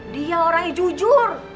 dia orangnya jujur